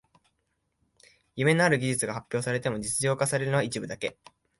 夢のある技術が発表されても実用化されるのは一部だけ